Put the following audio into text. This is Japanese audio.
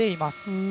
うん。